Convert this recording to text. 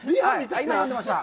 読んでました。